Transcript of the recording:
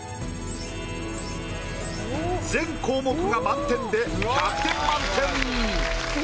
全項目が満点で１００点満点！